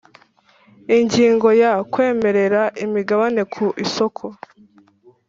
Ingingo ya kwemerera imigabane ku isoko